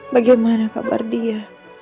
bagaimana kabar dia